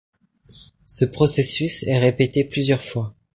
Ce processus est répété plusieurs fois.